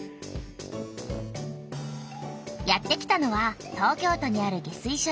やってきたのは東京都にある下水しょ